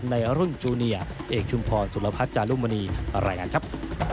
ในรุ่นจูเนียเอกชุมพรสุรพัฒน์จารุมณีรายงานครับ